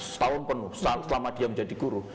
setahun penuh selama dia menjadi guru